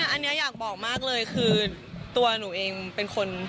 อันนี้อยากบอกมากเลยคือตัวหนูเองเป็นคน